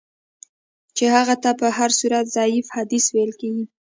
چي هغه ته په هر صورت ضعیف حدیث ویل کیږي.